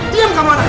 diam kamu anak